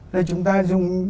rồi chúng ta dùng